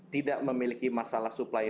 tidak memiliki masalah suplai